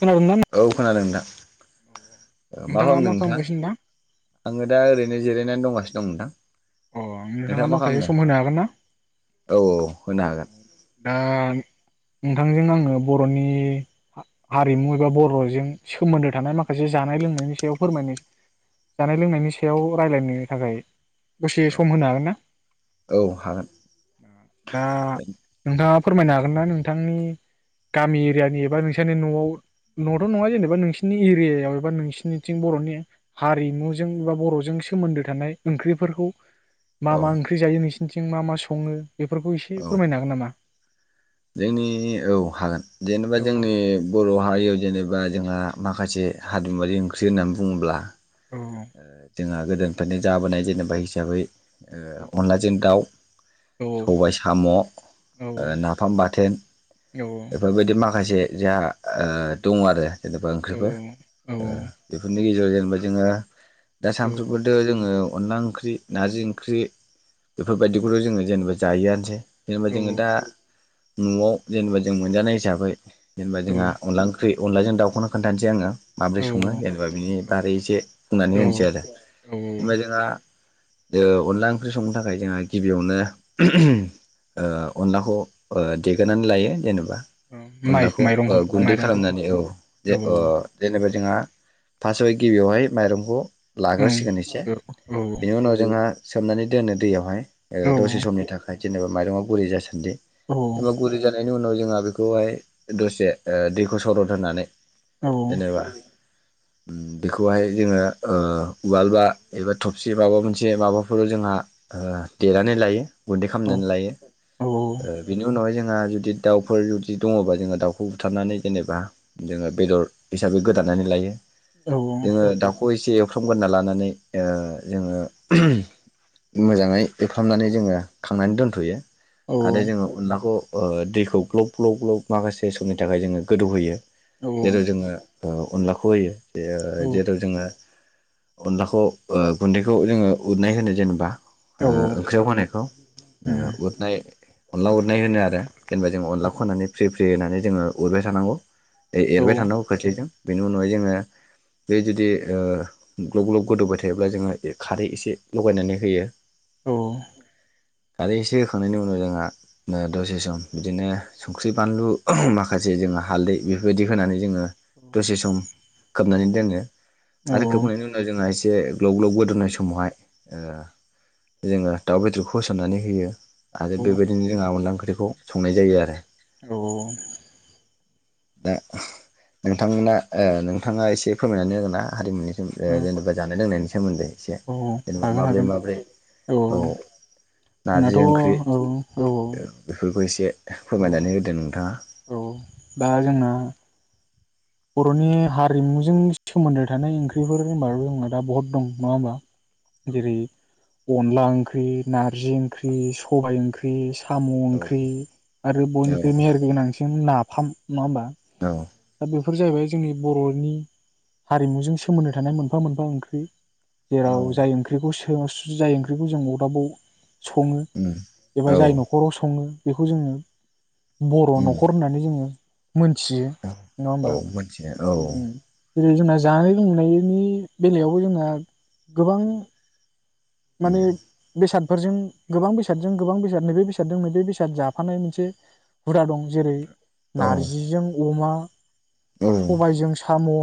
खोनादोंना? औ खोनादों नोंथां। अ ओ मा नोंथाङा खालामदों नोंथां खालामगासिनो दा? आंङो दा ओरैनो जिरायनानै दंगासि दं नोंथां। अ नोंथांङा नोंथाङा मा माखासे खालामदों सम होनो हागोन ना? फोनो हागोन। दा नोंथांजों आंङो बर'नि हा-हारिमु एबा बर'जों सोमोन्दो थानाय माखासे जानाय लोंनायनि सायाव फोरमायनो जानाय लोंनायनि सायाव रायलायनो थाखाय दसे सम होनो हागोन ना? औ हागोन आ दा नोंथांङा फोरमायनो हागोन ना नोंथांनि गामि एरियानि एबा नोंसानि न'आव न'थ' नंङा जेनेबा नोंसोरनि एरियायाव एबा नोंसोरनिथिं बर'नि हारिमुजों एबा बर'जों सोमोन्दो थानाय ओंख्रिफोरखौ मा औ मा ओंख्रि जायो नोंसि बिथिं मा मा संङो? बेफोरखौ इसे औ फोरमायनो हागोन नामा? जोंनि औ हागोन जेनेबा औ जोंनि बर' हारियाव जेनेबा जोंहा माखासे हारिमुवारि ओंख्रि होननानै बुंङोब्ला ओ औ जोंङा गोदोन फायनो जाबोनाय जेनेबा हिसाबै ओ अनलाजों दाव औ सबाय साम'ओ औ नाफाम बाथोन बेफोरबायदि माखासे जोहा ओ दंङ आरो। जेनेबा औ ओंख्रिबो ओ बेफोरनि [unintelligible] जेनेबा जोंङो दा सामफ्रोबोथ' जोंङो अनला ओंख्रि, नारजि ओंख्रि बेफोरबायदिखौथ' जोंङो जेनेबा जायोआनोसै। जेमबा जोंङो दा न'आव जेनेबा जों मोनजानाय हिसाबै जेनेबा जोंहा अनला ओंख्रि अनलाजों दाउखौनो खोनथानोसै आंङो। माबोरै औ संङो जेनेबा बिनि बारै एसे बुंनानै औ होनोसै आरो औ होमबा जोंहा ओ अनला ओंख्रि संनो थाखाय जोंहा गिबियावनो ओ अनलाखौ ओ देग्रोनानै लायो जेनेबा माइ अनलाखौ ओ माइरंखौ गुन्दै माइरंखौ खालामनानै औ जे औ ओ जेनेबा जोंहा फास्टआव गिबियावहाय माइरंखौ ओं लाग्रोसिगोन एसे औ औ बिनि उनाव जोंहा सोमनानै दोनो दैयावहाय ओ औ दसे समनि थाखाय जेनेबा माइरंआ गुरै जासान्दि औ एबा गुरि जानाय नि उनाव जोंहा बेखौहाय दसे ओ दैखौ सरद होनानै औ जेनेबा बेखौहाय जोङो ओ उवालबा एबा थबसि माबा मोनसे माबाफोर जोंहा ओ देनानै लायो। गुन्दै औ खामनानै लायो औ ओ बिनि उनावहाय जों जोंहा जुदि दाउफोर जुदि दङबा जोङो दाउखौ बुथारनानै जेनेबा जोङो बेदर हिसाबै गोदानानै लायो। औ अ जोङो दाउखौ एसे एवफ्रामग्रोनना लानानै ओ जोङो मोजाङै एवफ्रामनानै जोङो खांनानै दोनथ'यो। आरो जोङो अनलाखौ ओ दैखौ ग्लब ग्लब ग्लब माखासे समनि थाखाय जोङो गोदौहोयो। जेरै जोङो ओ अनलाखौ होयो। देयो जेथ ओ अनलाखौ ओ गुन्दैखौ जोङो उरनाय होनो जेनेबा ओ ओंख्रियाव होनायखौ ओ उरनाय अनला उरनाय होनो आरो जेनेबा जों अनलाखौ होनानै फ्रि फि फ्रि होननानै जोङो उरबाय थानांगौ ए एरबाय थानांगौ खोस्लिजों बेनि उनावहाय जोङो बे जुदि ओ ग्लब ग्लब गोदौबाय थायोब्ला जोङो ए खारै एसे लगायनानै होयो। औ अ खारै एसे होखांनायनि उनाव जोंहा ओ दसे सम बिदिनो संख्रि बानलु माखासे जोङो हालदै बेफोरबायदि होनानै जोङो दसे सम खोबनानै दोनो। [inaudible] आरो खोबनायनि उनाव जोंहा एस जे ग्लब ग्लब गोदोवनाय समावहाय ओ जोङो दाउ बेदरखौ होसननानै होयो आरो बेबायदिनो जोंहा अनला ओं ओंख्रिखौ संनाय जायो आरो औ दा नोंथांमोना नोंथाङा एसे फोरमायनानै होगोन ना हारिमुनि औ जेनेबा जानाय लोंनायनि सोमोन्दै एसे औ जेनेबा हागोन माब्रै हागोन माब्रै औ नारजि जोंनाथ' ओंख्रि औ औ औ बेफोरखौ एसे औ फोरमायनानै होदो नोंथाङा औ दा जोंना बर'नि हारिमुजों सोमोन्दो थानाय ओंख्रिफोर होनबा थ' जोंना दा बहुद दं नङा होमबा जेरै औ अनला ओंख्रि नारजि ओंख्रि सबाय ओंख्रि साम' औ ओंख्रि आरो औ बयनिख्रुइ मेहेर गोनांसिन ना फाम नङा औ होनबा जाहैबाय जोंनि बर'नि हारिमुजों सोमोन्दो थानाय मोनफा मोनफा ओंख्रि जेराव जाय ओंख्रिखौ स जाय ओंख्रिखौ जों अरदाबाव सङो उम एबा जाय औ न'खराव सङो बेखौ जोङो बर' उम न'खर होननानै जोङो मोनथियो औ नङा औ होमबा जोङो औ जेरै जोंना जानाय लोंनायनि बेलायावबो जोंना गोबां माने उम बेसाद फोरजों गोबां बेसादजों गोबां बेसाद नैबे बेसादजों नैबे बेसाद जाफानाय मोनसे हुरजा दं जेरै औ नारजिजों अमा [unintelligible] औ सबायजों साम'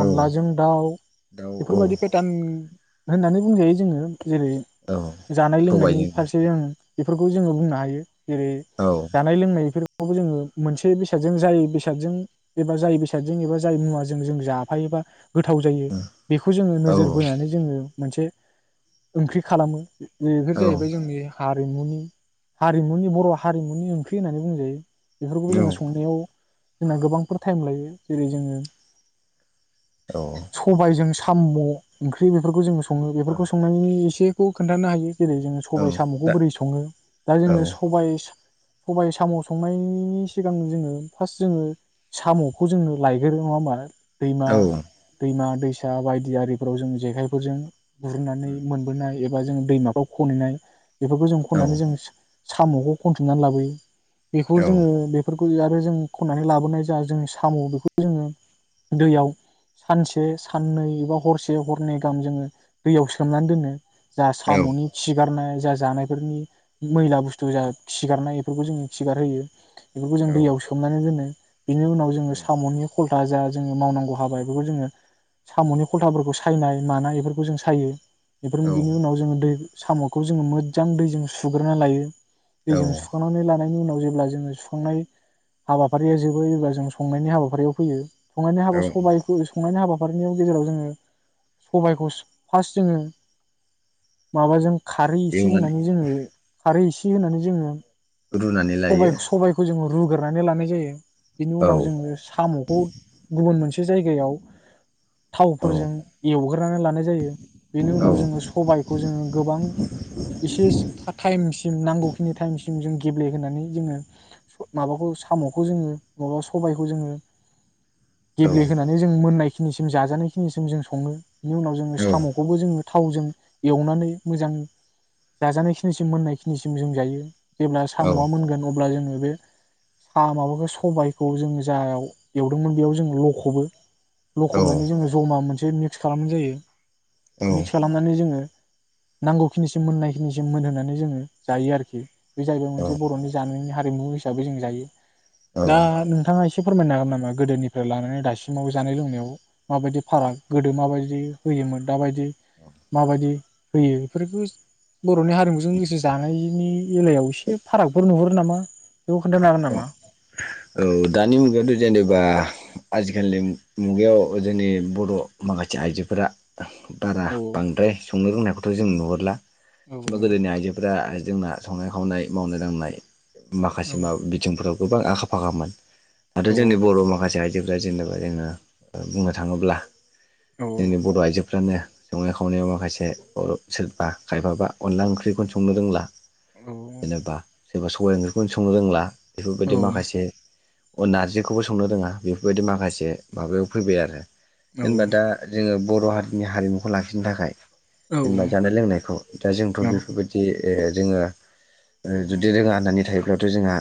औ दाउ दाउ औ बेफोरबायदि फेटाम न नाननानै बुं जाय जोङो जेरै औ जानाय लोंनायनि सबायजों फारसे जों। बेफोरखौ जोङो बुंनो हायो। जेरै औ जानाय लोंनायफोर। बो जोङो मोनसे बेसादजों जाय बेसादजों एबा जाय बेसादजों एबा जाय मुवाजों जों जाफायोबा। गोथाव जायो औ बेखौ जोङो औ नोजोर बोनानै जोङो। मोनसे ओंख्रि खालामो नैफोर औ जाहैबाय जोंनि हारिमुनि हारिमुनि बर हारिमुनि ओंख्रि होननानै बुंजायो। बेफोरखौबो जोङो संनायाव जोंना गोबांफोर टाइम लायो जेरै जोङो। औ सबायजों साम ओंख्रि बेफोरखौ जों। सङो बेफोरखौ नायनि एसेखौ खोन्थानो हायो। जेरै जोङो औ सबायाइ सामखौ दा बोरै सङो दा औ जोङो सबायाइ सा। सबाय साम संनायनि सिगां जोङो फार्स्ट जोङो सामखौ जों लायग्रोयो नङा होमबा। दैमा औ दैमा दै फिसा बायदि आरिफोराव जों जेखायखौजों गु। होननानै मोनबोनाय जों दैमाखौ खनहैनाय। बेफोरखौ जों खननानै जों। सामखौ खनथुमनानै लाबोयो बेखौ जोङो बेफोर। आरो जों खन्नानै लाबोनाय ज जोंनि साम बेखौ जोङो दैयाव सानसे साननै एबा हरसे हरनै गाहाम जोङो। दैयाव सोमनानै दोनो। जा सामनि सिगारनाय। जा जानायफोरनि मैला बुस्थु जा खिगारनाय बेफोरखौ जों खिगारहोयो। बेफोरखौ जों दैयाव सोमनानै दोनो। बिनि उनाव जोङो सामनि खल। जा जा जोंनि मावनांगौ हाबा एबोरखौ जोंङो सामनि खलथाफोरखौ सायनाय मानाय एफोरखौ जों। साययो। बेफोर बिनि उनाव जोङो दै। सामखौ जोङो मोजां दैजों सुग्रोना लायो। औ दैजों सुखांनानै लानायनि उनाव जेब्ला जोङो सुखांनाय हाबाफारिया जोबो अब्ला जों संनायनि हाबाफारियाव फैयो। संनायनि हाबा सबाइखौ संनायनि हाबा बिफोरबादिनि गेजेराव जोङो सबायाइखौ फार्स्ट जङो माबाजों खारै एसे एवनानै होनानै जोङो खारै एसे होनानै जोङो रुनानै लायो सबाय सबायखौ जोङो रुग्रोनानै लानाय जायो। बिनि औ उनाव जोङो सामखौ गुबुन मोनस मोनसे जायगायाव औ थावफोरजों एवग्रोनै लानाय जायो। बेनि औ उनाव औ जोङो सबायखौ जोङो गोबां एसे टाइमसिम नांगौखिनि टाइमसिम जों गेबेहोननानै जोङो माबाखौ सामखौ जोङो मा सबायखौ जोङो गेब्लेहोनानै जों मोननाय खिनिसिम जाजानायखिनिसिम जों सङो। बि उनाव जोङो साम जों थावजों एवनानै मोजां जाजानायखिनिसिम मोननायखिनिसिम जों जायो। जेब्ला सामआ मोनगोन अब्ला जोङो बे साहा माबाखौ सबायखौ जोङो जायाव एवदोंमोन बेयाव जों लखबो। औ लखबनानै जोंङो जमा मोन एसे मिक्स खालामनाय जायो। औ मिक्स खालामनानै जोङो नांगौखिनिसिम मोननायखिनिसिम मोनहोनानै जोङो जायो आरोखि बे जाहैबाय औ मोनसे बर'नि जानायनि हार हारिमु हिसाबै जों जायो औ दा नोंथाङा एसे एसे फोरमायना हागोन नामा गोदोनिफ्राय लानानै दासिमाव जानाय लोंनायाव माबायदि फाराग गोदो माबायदि होयोमोन दाबायदि माबायदि होयो बेफोरखौ बर'नि हारिमुजों लोगोसे जानायनि बेलायाव एसे फारागबो नुहरो नामा बेखौ खोन्थानो हागोन औ नामा? औ दानि मुगायावथ' जेनेबा आजिखालिनि मुगायाव जोंनि बर' माखासे आइजोफोरा बारा औ बांद्राय संनो रोंनायखौथ' जों नुहुरला औ गोदोनि आइजोफोरा जोंना संनाय खावनाय मावनाय दांनाय मा औ बा बिथिंफोराव गोबां आखा फाखामोन दाथ' जोंनि बर' माखासे आइजो [unintelligible] जोङो बुंनो थाङोब्ला औ जोंनि बर' आइजो बेफोरानो संनाय खावनायाव माखासे [unintelligible] सोरबा खायफाबा अनला ओंख्रिखौनो संनो रोंला औ जेनेबा सोरबा सबाय ओंख्रिखौनो सं संनो रोंला बेफोरबायदि माखासे अ नारजिखौबो संनो रोङा बेफोरबायदि माखासे माबायाव फैबाय आरो औ जेनेबा दा जोङो बर' हारिनि हारिमुखौ लाखिनो थाखाय औ जेनबा जानाय लोंनायखौ दा जोंथ' औ बेफोरबायदि ए जोङो ओ जुदि रोङा आदा बेवथ' जोंहा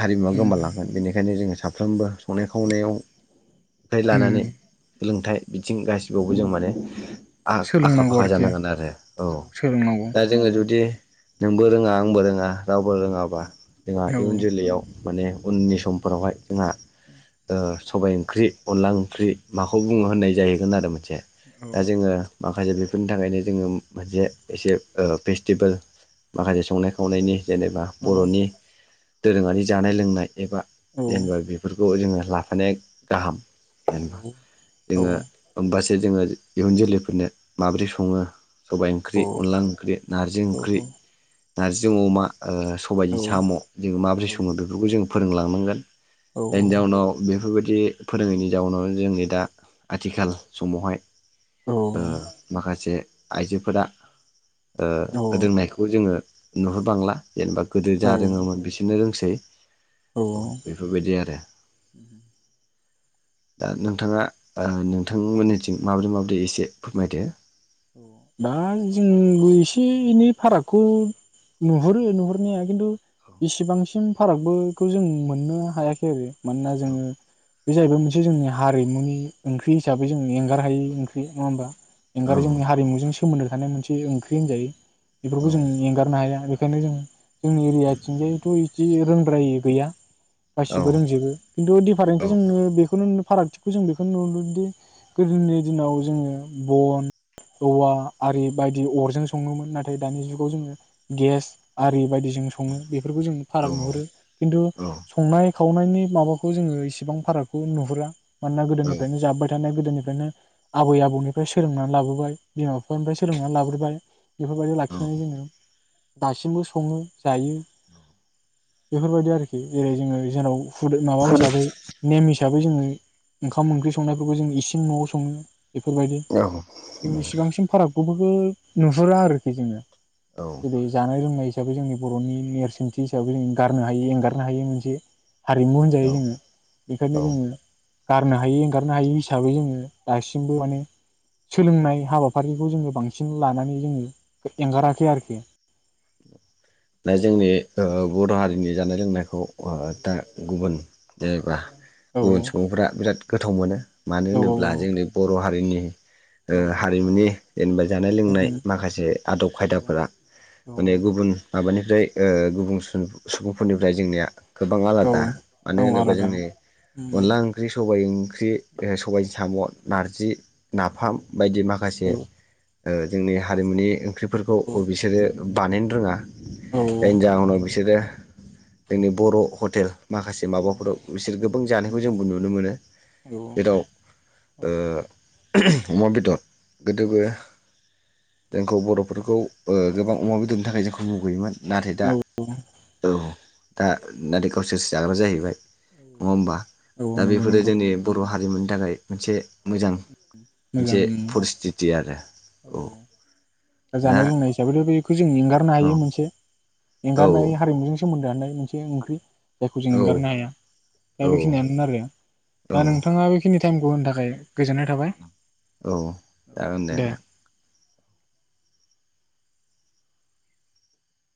हारिमुवा उम गोमालांगोन बेनिखायनो जोङो साफ्रोमबो संनाय खावनायाव लानानै उम सोलोंथाइ बिथिं गासिबावबो जों माने आ-आखा सोलोंनांगौ फाखा आरोखि जानांगोन आरो औ दा जोङो जुदि नोंबो रोङा आंबो रोङा रावबो रोङाबा जोंहा औ इयुन जोलैयाव माने उननि समफोरावहाय जोंहा ओ सबाय ओंख्रि अनला ओंख्रि माखौ बुङो होननाय जाहैगोन आरो मोनसे दा जोङो माखासे बेफोरनि थाखायनो जोङो मोनसे एसे फेस्टिभेल माखासे संनाय खावनायनि जेनेबा औ बर'नि दोरोङारि जानाय लोंनाय एबा जेनबा बेफोरखौ जोङो लाफानाया गाहाम जेनबा औ जोङो ओमबासो एसे जोङो इयुन जोलैफोरनो माबोरै सङो? सबायाइ ओंख्रि, औ अनला ओंख्रि, नारजि दा ओंख्रि नारजि अमा ओ सबायजों जोंबो साम' जोङो माबोरै सङो बेफोरखौ जों फोरोंलांनांगोन जायनि जाउनाव बेफोरबायदि बे फोरोङैनि जाउनाव जोंनि दा आथिखाल समावहाय ओ माखासे आइजोफोरा ओ रोंनायखौ जोङो नुहर बांला जेनेबा गोदो [unintelligible] रोङोमोन बिसोरनो [unintelligible] [unintelligible] औ बेफोरबायदि आरो दा नोंथाङा नोंथांमोननिथिं माबोरै माबोरै एसे फोरमायदो? औ दा जोंबो एसे एनै फारागखौ नुहुरो नुहुरनाया खिन्थु बेसेबांसिम फारागखौ जों मोननो हायाखै आरो। मानोना जोङो बे जाहैबाय मोनसे जोंनि हारिमुनि ओंख्रि हिसाबै जों एंगार हायै ओंख्रि नङा होमबा औ औ आरो जोंनि हरिमुजों सोमोनदो थानाय मोनसे ओंख्रि होनजायो। औ बेफोरखौ जों एंगारनो हाया बे बेखौनो जोङो जोंनि एरियाथिंजायैथ' इदि [unintelligible] गैया औ गासिबो रोंजोबो खिन्थु दिफारेन्सआ जोंङो बेखौनो फारागथिखौ जों बेखौनो नुदोंदि गोदोनि दिनाव जोङो बन औवा आरि बायदि अरजों सङोमोन नाथाय दानि जुगाव जोङो गेस आरि बायदिसिना जों सङो बेफोरखौ जों फाराग नुहुरो खिन्थु संनाय खावनायनि माबाखौ जोङो इसेबां फारागखौ नुहुरा मानोना औ गोदोनिफ्रायनो जाबोबाय थानाय गोदोनिफ्राय बेखायनो आबै -आबौनिफ्राय सोलोंनानै लाबोबाय [unintelligible] बिनिफ्राय सोलोंना लाबग्रोबाय। बेफोरबायदि लाखिनानै जोङो दासिमबो सङो जायो। [inaudible] बेफोरबायदि आरोखि जेरै जोङो जेराव फु माबा हिसाबै नेम हिसाबै जोङो ओंखाम ओंख्रि संनायफोरखौ जों इसिन न'आव सङो। बेफोरबायदि। जोंनि सिबांसिम फाराग बेफोरखौ नुहरा आरोखि जोङो। औ जेरै जानाय लोंनायसै। हिसाबै जोंनि बर'नि नेरसोनथि हिसाबै जों गारनो हायो एंगारनो हायो मोनसे हारिमु होनजायो जोङो बेखायनो औ जोङो। गारनो हायो एंगारनो हायि हिसाबै जोङो दासिमबो माने सोलोंनाय हाबाफारिखौ जोङो बांसिन लानानै जोङो एंगाराखै आरोखि दा जोंनि ओ बर' हारिनि जानाय लोंनायखौ दा गुबुन जेनेबा औ गुबुन सुबुंफ्रा बिराद गोथाव मोनो। मानो औ होनोब्ला जोंनि बर' हारि जोंनि ओ औ हारिमुनि जेनेबा जानाय लोंनाय माखासे आदब औ खायदाफोरा औ औ गुबुन माबानिफ्राय ओ गुबुन सुबुंफोरनिफ्राय जोंनिया गोबां औ आलादा मानो होनोबा आलादा जोंनि उम अनला ओंख्रि सबाइ ओंख्रि सबायजों साम'आ नारजि औ नाफाम बायदि औ माखासे ओ जोंनि हारिमुनि ओंख्रिफोरखौ बिसोरो बानायनो रोङा। औ जायनि जाउनाव बिसोरो जोंनि बर' हटेल माखासे माबाफोराव बिसोर गोबां जानायखौ जोंबो नुनो मोनो जेराव ओ। अमा बेदर गोदोबो जोंखौ बर'फोरखौ ओ गोबां अमा बेदरनि थाखाय जोंखौ मुगैयोमोन नाथाय दा औ दा नाथाय गावसोरसो जाग्रा जाहैबाय। नङा होमबा? दा नंगौ बेफोरो नंगौ जोंनि बर'‌ हारिमुनि थाखाय मोनसे मोजां। जे फरिस्थिति आरो अ औ दा जानाय लोंनाय हिसाबैथ' बे बेखौ जों एंगारनो औ हायो मोनसे। औ एंगारनाय हारिमुजों सोमोन्दोआनो मोनसे ओंख्रि जायखौ जों औ एंगारनो हाया औ दा बेखिनियानो आरो औ दा नोंथाङा बेखिनि टाइमखौ होनो थाखाय गोजोननाय थाबाय। औ जागोन दे। दे नोंथां